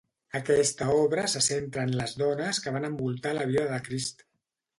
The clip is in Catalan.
Aquesta obra se centra en les dones que van envoltar la vida de Crist.